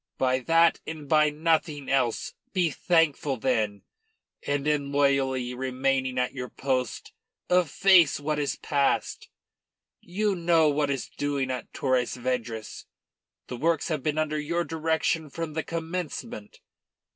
By that and by nothing else. Be thankful, then; and in loyally remaining at your post efface what is past. You know what is doing at Torres Vedras. The works have been under your direction from the commencement.